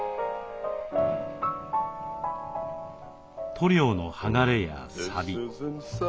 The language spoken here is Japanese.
塗料の剥がれやさび。